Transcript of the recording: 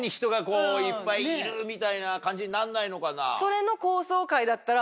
みたいな感じになんないのかな？